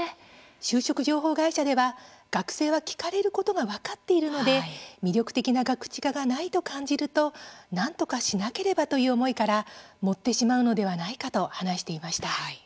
就職情報会社では学生は聞かれることが分かっているので魅力的なガクチカがないと感じると、なんとかしなければという思いから盛ってしまうのではないかと話していました。